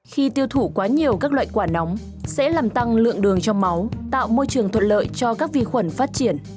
khi tiêu thụ quá nhiều các loại quả nóng sẽ làm tăng lượng đường trong máu tạo môi trường thuận lợi cho các vi khuẩn phát triển